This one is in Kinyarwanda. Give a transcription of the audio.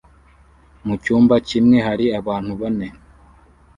Mu cyumba kimwe hari abantu bane